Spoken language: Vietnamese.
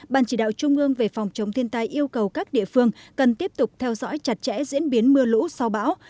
ban chỉ đạo trung ương về phòng chống thiên tai yêu cầu các địa phương cần tiếp tục theo dõi chặt chẽ diễn biến mưa lũ sau bão